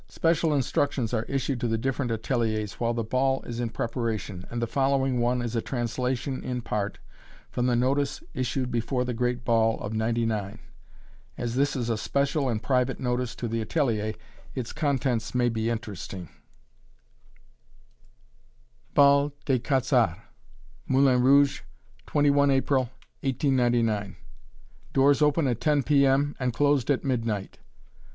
Special instructions are issued to the different ateliers while the ball is in preparation, and the following one is a translation in part from the notice issued before the great ball of '99. As this is a special and private notice to the atelier, its contents may be interesting: BAL DES QUAT'Z' ARTS, Moulin Rouge, 21 April, 1899. Doors open at 10 P.M. and closed at midnight.